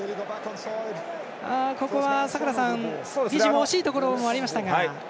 ここは坂田さん、フィジーも惜しいところもありましたが。